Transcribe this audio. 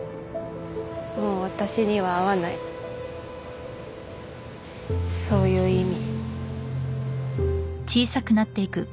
もう私には会わないそういう意味